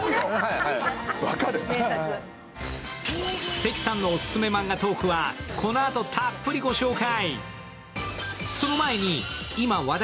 関さんのオススメマンガトークはこのあとたっぷりご紹介。